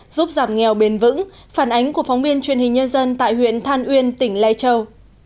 giúp giảm nghèo bền vững phản ánh của phóng viên truyền hình nhân dân tại huyện than uyên tỉnh lai châu